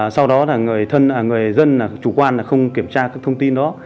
sau đó là người dân chủ quan là không kiểm tra các thông tin đó